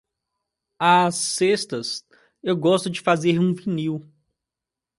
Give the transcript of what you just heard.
Às sextas eu gosto de fazer um vinil.